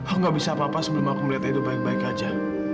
oh gak bisa apa apa sebelum aku melihat hidup baik baik aja